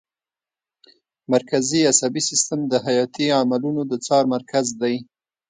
مرکزي عصبي سیستم د حیاتي عملونو د څار مرکز دی